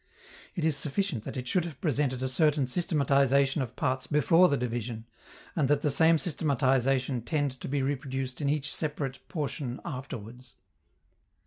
It is sufficient that it should have presented a certain systematization of parts before the division, and that the same systematization tend to be reproduced in each separate portion afterwards.